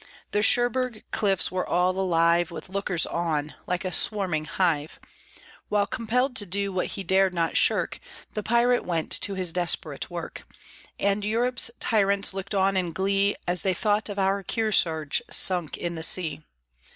The Cherbourg cliffs were all alive With lookers on, like a swarming hive; While compelled to do what he dared not shirk, The pirate went to his desperate work; And Europe's tyrants looked on in glee, As they thought of our Kearsarge sunk in the sea.